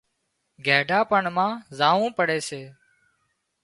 گئيڍا پڻ مان زاوون پڙي سي